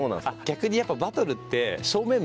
逆にやっぱバトルって。